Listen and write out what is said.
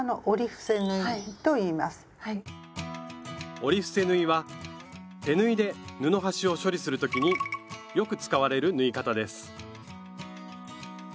折り伏せ縫いは手縫いで布端を処理する時によく使われる縫い方です